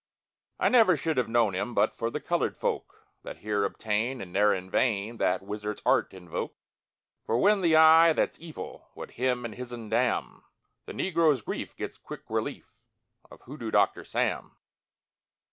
_ I never should have known him But for the colored folk That here obtain And ne'er in vain That wizard's art invoke; For when the Eye that's Evil Would him and his'n damn, The negro's grief gets quick relief Of Hoodoo Doctor Sam.